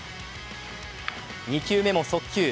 ２球目も速球。